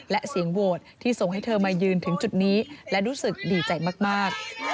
และเสียงโหวตที่ส่งให้เธอมายืนถึงจุดนี้และรู้สึกดีใจมาก